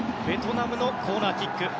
ベトナムのコーナーキック。